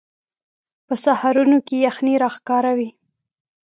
په سهارونو کې یخنۍ راښکاره وي